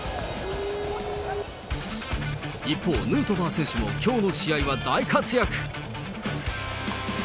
一方、ヌートバー選手もきょうの試合は大活躍。